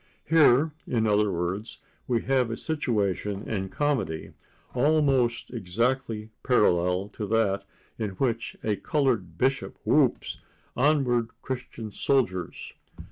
Here, in other words, we have a situation in comedy, almost exactly parallel to that in which a colored bishop whoops "Onward, Christian Soldiers!"